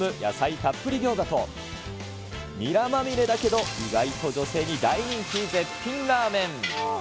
たっぷり餃子と、ニラまみれだけど意外と女性に大人気、絶品ラーメン。